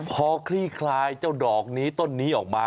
พอคลี่คลายเจ้าดอกนี้ต้นนี้ออกมา